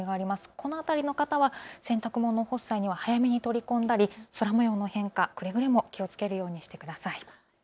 この辺りの方は洗濯物を干す際は早めに取り込んだり空もようの変化、くれぐれも気をつけるようにしてください。